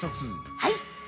はい！